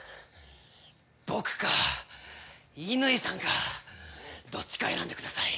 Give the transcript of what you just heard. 僕か乾さんかどっちか選んでください。